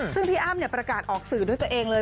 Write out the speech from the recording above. ซึ่งพี่อ้ำประกาศออกสื่อด้วยตัวเองเลย